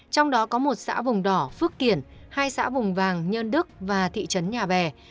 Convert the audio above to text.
trong đó có một xã vùng đỏ phước kiển hai xã vùng vàng nhơn đức và thị trấn nhà bè